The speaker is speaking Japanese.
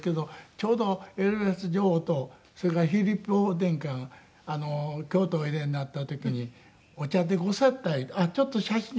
ちょうどエリザベス女王とそれからフィリップ殿下が京都おいでになった時にお茶でご接待ちょっと写真が出て。